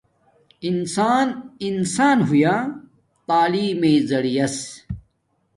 انسان انسان ہویا تعلیم مݵݵ زریعس